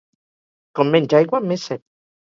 Com menys aigua, més set.